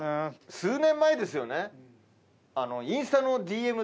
数年前ですよね。